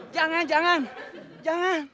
jangan jangan jangan